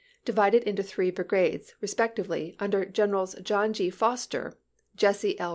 divided into three brigades respectively under Generals John G. Foster, Jesse L.